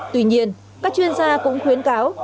tuy nhiên các chuyên gia cũng khuyến cáo